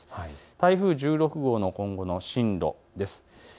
台風１６号の今後の進路です。